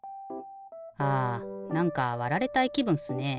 はあなんかわられたいきぶんっすね。